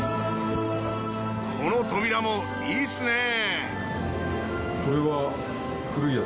この扉もいいっすねぇ！